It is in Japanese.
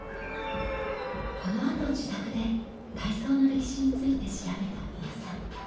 このあと自宅で体操の歴史について調べたみうさん。